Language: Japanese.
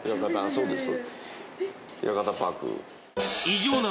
そうです